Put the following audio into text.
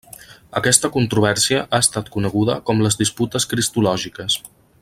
Aquesta controvèrsia ha estat coneguda com les disputes cristològiques.